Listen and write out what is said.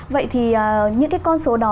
vậy thì những cái con số đó